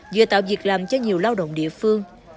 vừa tạo việc làm cho nhiều lao động địa phương